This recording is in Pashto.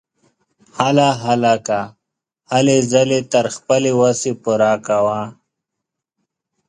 هله هلکه ! هلې ځلې تر خپلې وسې پوره کوه!